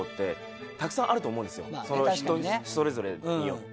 その人それぞれによって。